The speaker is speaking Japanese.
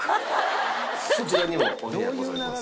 そちらにもお部屋ございます。